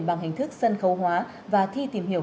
bằng hình thức sân khấu hóa và thi tìm hiểu